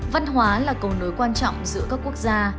văn hóa là cầu nối quan trọng giữa các quốc gia